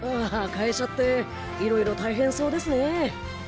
会社っていろいろ大変そうですねえ。